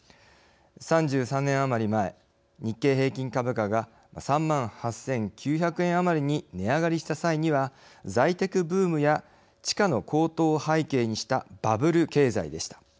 ３３年余り前日経平均株価が３万８９００円余りに値上がりした際には財テクブームや地価の高騰を背景にしたバブル経済でした。